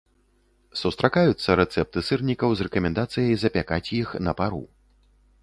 Сустракаюцца рэцэпты сырнікаў з рэкамендацыяй запякаць іх на пару.